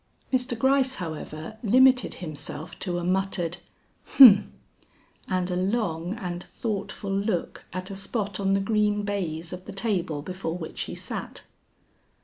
Mr. Gryce however limited himself to a muttered, humph! and a long and thoughtful look at a spot on the green baize of the table before which he sat.